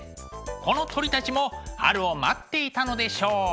この鳥たちも春を待っていたのでしょう。